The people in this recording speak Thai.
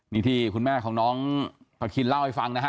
นี่ที่คุณแม่ของน้องพระคินเล่าให้ฟังนะฮะ